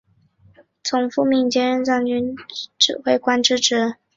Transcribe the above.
从父命接任藏军前线副指挥官之职。